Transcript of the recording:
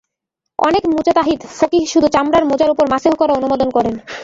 অনেক মুজতাহিদ ফকিহ শুধু চামড়ার মোজার ওপর মাসেহ করা অনুমোদন করেন।